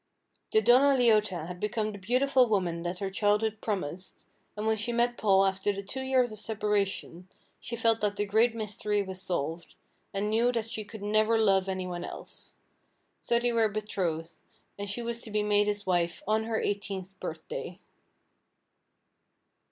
The Donna Leota had become the beautiful woman that her childhood promised, and when she met Paul after the two years of separation, she felt that the great mystery was solved, and knew that she could never love any one else. So they were betrothed, and she was to be made his wife on her eighteenth birthday.